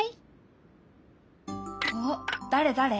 おっ誰誰？